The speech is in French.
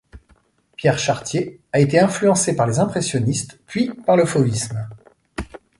Pierre Chartier a été influencé par les impressionnistes, puis par le fauvisme.